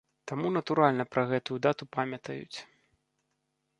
Таму натуральна пра гэтую дату памятаюць.